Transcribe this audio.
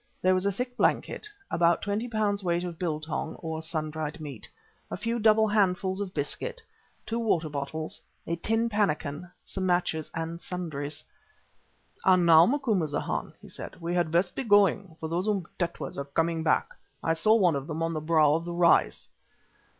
There was a thick blanket, about twenty pounds weight of biltong or sun dried meat, a few double handfuls of biscuits, two water bottles, a tin pannikin, some matches and sundries. "And now, Macumazahn," he said, "we had best be going, for those Umtetwas are coming back. I saw one of them on the brow of the rise."